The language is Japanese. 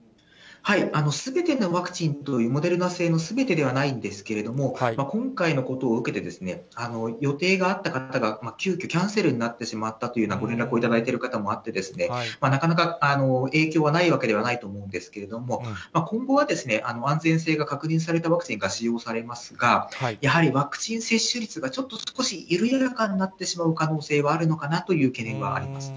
すべてのワクチン、モデルナ製のすべてではないんですけれども、今回のことを受けて、予定があった方が急きょキャンセルになってしまったというようなご連絡をいただいてる方もあって、なかなか影響はないわけではないと思うんですけれども、今後は安全性が確認されたワクチンが使用されますが、やはりワクチン接種率がちょっと少し緩やかになってしまう可能性はあるのかなという懸念はあります。